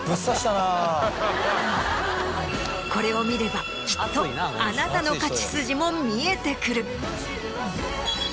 これを見ればきっとあなたの勝ち筋も見えてくる。